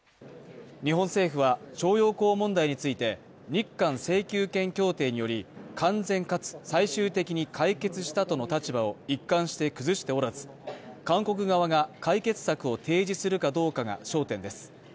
日本政府は、徴用工問題について日韓請求権協定により完全かつ最終的に解決したとの立場を一貫して崩しておらず、韓国側が解決策を提示するかどうかが焦点です。